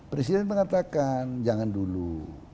presiden mengatakan jangan dulu